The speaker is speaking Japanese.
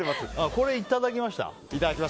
これ、いただきました。